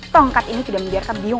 tongkat ini tidak membiarkan biyung